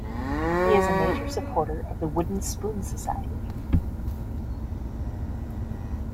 He is a major supporter of the Wooden Spoon Society.